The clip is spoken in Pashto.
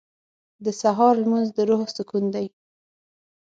• د سهار لمونځ د روح سکون دی.